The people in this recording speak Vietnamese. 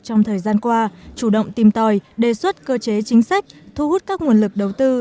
trong thời gian qua chủ động tìm tòi đề xuất cơ chế chính sách thu hút các nguồn lực đầu tư